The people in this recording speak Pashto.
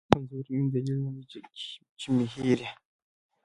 کمزوري مې دلیل ندی چې مې هېر یې